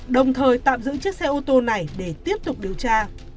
đồng thời tạm giữ chiếc xe ô tô này để tiếp tục điều tra